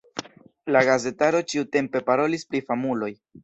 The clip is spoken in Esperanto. La gazetaro ĉiutempe parolis pri famuloj.